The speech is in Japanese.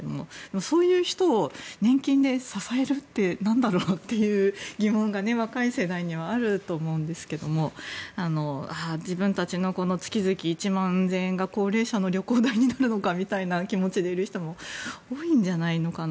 そういう人を年金で支えるってなんだろうという疑問が若い世代にはあると思うんですけど自分たちの月々１万円が高齢者の旅行代になるのかみたいな気持ちでいる人も多いんじゃないのかな。